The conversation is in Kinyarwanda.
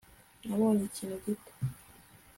nabonye ikintu gito